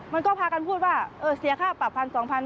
มันก็พากันพูดว่าเสียค่าปรับ๑๐๐๐๒๐๐๐บาทมันก็จบ